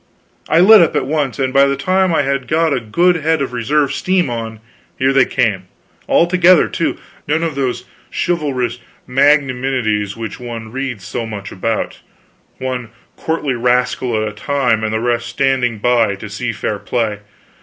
I lit up at once, and by the time I had got a good head of reserved steam on, here they came. All together, too; none of those chivalrous magnanimities which one reads so much about one courtly rascal at a time, and the rest standing by to see fair play.